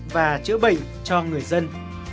và chữa bệnh cho người dân